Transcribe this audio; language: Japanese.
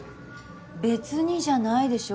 別にじゃないでしょ